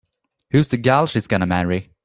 Who's this gal she's gonna marry?